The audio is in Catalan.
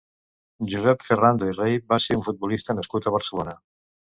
Josep Ferrando i Rey va ser un futbolista nascut a Barcelona.